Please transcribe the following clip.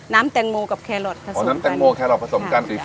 น้ำแตงโมกับแครอทผสมกัน